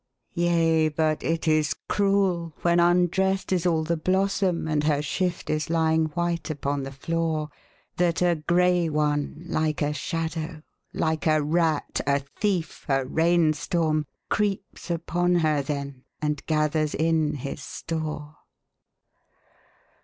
Yea, but it is cruel when undressed is all the blossom, And her shift is lying white upon the floor, That a grey one, like a shadow, like a rat, a thief, a rain storm Creeps upon her then and gathers in his store.